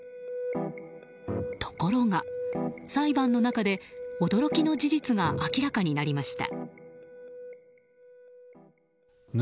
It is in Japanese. ところが、裁判の中で驚きの事実が明らかになりました。